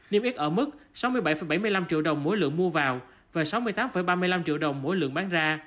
niêm yết ở mức sáu mươi bảy bảy mươi năm triệu đồng mỗi lượng mua vào và sáu mươi tám ba mươi năm triệu đồng mỗi lượng bán ra